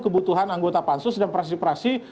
kebutuhan anggota pansus dan fraksi fraksi